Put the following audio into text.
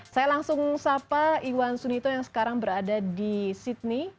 saya langsung sapa iwan sunito yang sekarang berada di sydney